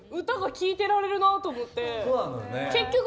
歌が聴いてられるなと思って。